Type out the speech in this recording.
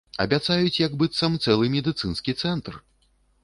Абяцаюць як быццам цэлы медыцынскі цэнтр.